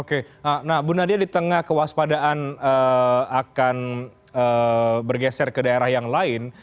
oke nah bu nadia di tengah kewaspadaan akan bergeser ke daerah yang lain